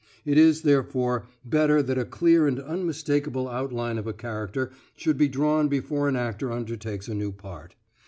It is, therefore, better that a clear and unmistakable outline of a character should be drawn before an actor undertakes a new part.